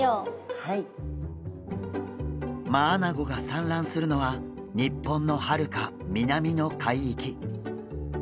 マアナゴが産卵するのは日本のはるか南の海域。